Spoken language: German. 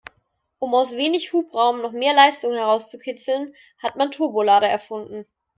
Um aus wenig Hubraum noch mehr Leistung herauszukitzeln, hat man Turbolader erfunden.